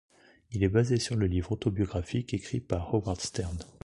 Il est basé sur le livre autobiographique écrit par Howard Stern.